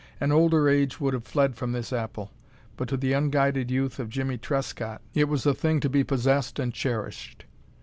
An older age would have fled from this apple, but to the unguided youth of Jimmie Trescott it was a thing to be possessed and cherished.